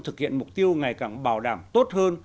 thực hiện mục tiêu ngày càng bảo đảm tốt hơn